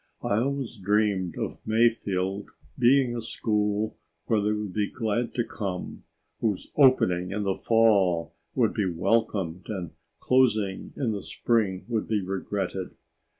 I always dreamed of Mayfield being a school where they would be glad to come, whose opening in the fall would be welcomed and closing in the spring would be regretted.